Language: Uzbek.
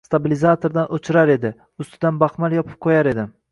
Stabilizatordan o‘chirar edi. Ustidan baxmal yopib qo‘yar edi.